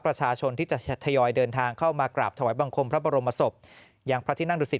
ประชาชนที่จะทยอยเดินทางเข้ามากราบถวายบังคมพระบรมศพอย่างพระที่นั่งดุสิต